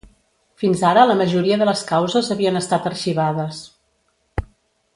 Fins ara la majoria de les causes havien estat arxivades.